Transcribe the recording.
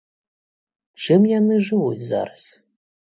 Чым яны жывуць зараз?